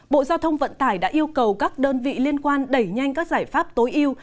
bộ giao thông vận tải đã yêu cầu các đơn vị liên quan đẩy nhanh các giải pháp tối yêu